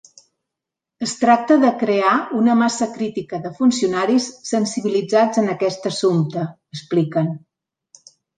Es tracta de crear una massa crítica de funcionaris sensibilitzats en aquest assumpte, expliquen.